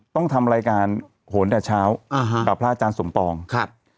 ต้องทำรายการโหนแต่เช้าอ่าฮะกับพระอาจารย์สมปองครับ